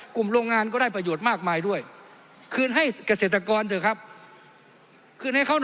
กลุ่มโรงงานก็ได้ประโยชน์มากมายด้วยคืนให้เกษตรกรเถอะครับ